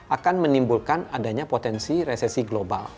akan menimbulkan adanya potensi resesi global